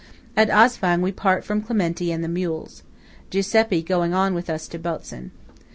At Atzwang we part from Clementi and the mules, Giuseppe going on with us to Botzen.